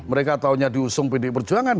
mereka taunya diusung pdi perjuangan